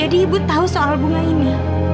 jadi ibu tahu soal bunga ini